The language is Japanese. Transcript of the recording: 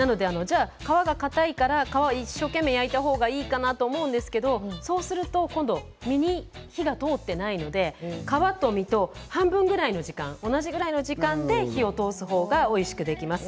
皮がかたいから皮を一生懸命焼いた方がいいかなと思うんですがそうすると今度、身に火が通っていないので皮と身と半分ぐらいの時間同じぐらいの時間で火を通す方がおいしくできます。